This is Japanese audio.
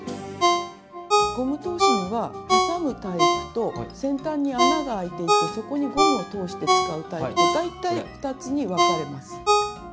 ゴム通しにははさむタイプと先端に穴があいていてそこにゴムを通して使うタイプと大体２つに分かれます。